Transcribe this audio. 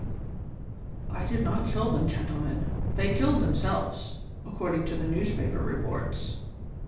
"I did not kill them, gentlemen. They killed themselves, according to the newspaper reports.